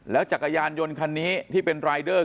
จักรยานยนต์คันนี้ที่เป็นรายเดอร์